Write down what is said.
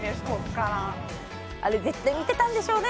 あれ絶対見てたんでしょうね。